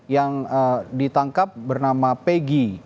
yang ditangkap bernama peggy